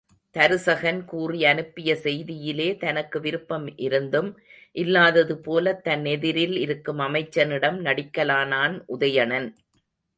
தருசகன் கூறி அனுப்பிய செய்தியிலே தனக்கு விருப்பம் இருந்தும், இல்லாததுபோலத் தன் எதிரில் இருக்கும் அமைச்சனிடம் நடிக்கலானான் உதயணன்.